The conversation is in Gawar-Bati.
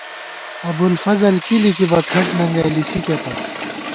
ابوالفضل کی لِکِبہ کھٹ ننگَئ لِسِکے پت